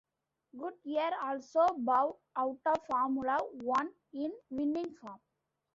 Goodyear also bowed out of Formula One in winning form.